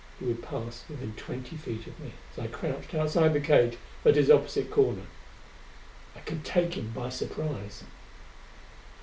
He would pass within twenty feet of me as I crouched outside the cage at its opposite corner. I could take him by surprise.